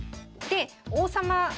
で王様